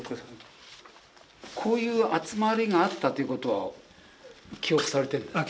こういう集まりがあったということは記憶されてるんですか？